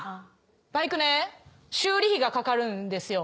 バイクね修理費がかかるんですよ。